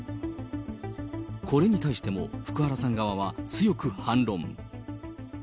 これに対しても福原さん側は強く反論。